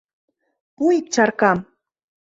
Пу ик чаркам.